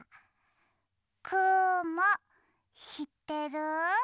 くもしってる？